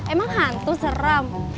emang hantu serem